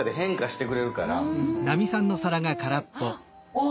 あっ！